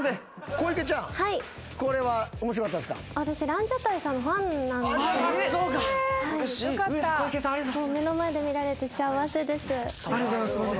小池さんありがとうございます。